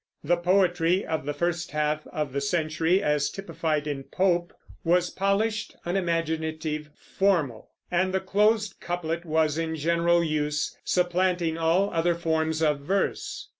The poetry of the first half of the century, as typified in Pope, was polished, unimaginative, formal; and the closed couplet was in general use, supplanting all other forms of verse.